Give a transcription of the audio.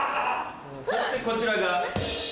そしてこちらが。